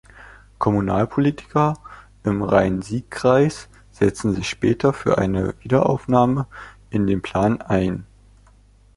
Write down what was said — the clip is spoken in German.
Kommunalpolitiker im Rhein-Sieg-Kreis setzten sich später für eine Wiederaufnahme in den Plan ein.